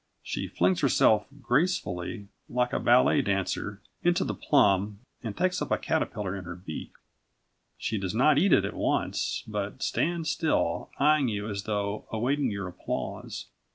She flings herself gracefully, like a ballet dancer, into the plum, and takes up a caterpillar in her beak. She does not eat it at once, but stands still, eyeing you as though awaiting your applause.